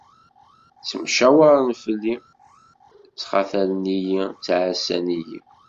Ttemcawaren fell-i, ttxatalen-iyi, ttɛassan-iyi.